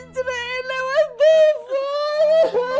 cerai lewat dasar